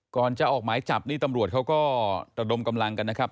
ก่อนจะออกหมายจับนี่ตำรวจเขาก็ระดมกำลังกันนะครับ